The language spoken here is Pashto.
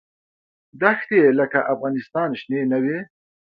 دښتې یې لکه افغانستان شنې نه وې.